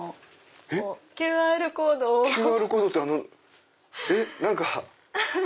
ＱＲコードってえっ何か。